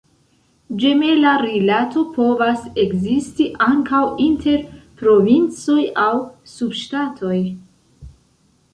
Ĝemela rilato povas ekzisti ankaŭ inter provincoj aŭ subŝtatoj.